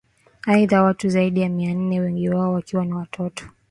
aidha watu zaidi ya mia nne wengi wao wakiwa ni watoto